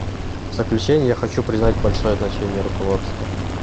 В заключение я хочу признать большое значение руководства.